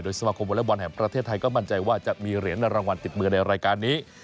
สมาคมวอเล็กบอลแห่งประเทศไทยก็มั่นใจว่าจะมีเหรียญรางวัลติดมือในรายการนี้